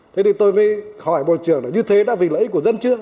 thế thì tôi mới hỏi bộ trưởng là như thế đã vì lợi ích của dân chưa